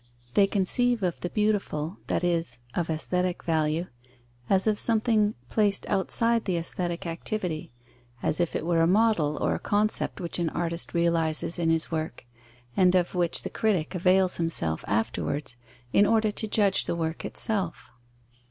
They conceive of the beautiful, that is, of aesthetic value, as of something placed outside the aesthetic activity; as if it were a model or a concept which an artist realizes in his work, and of which the critic avails himself afterwards in order to judge the work itself.